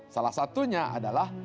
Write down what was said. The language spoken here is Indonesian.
salah satunya adalah